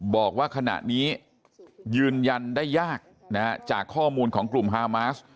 บอกว่าขณะนี้ยืนยันได้ยากจากข้อมูลของกลุ่มฮามาส